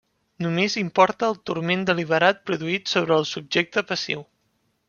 Només importa el turment deliberat produït sobre el subjecte passiu.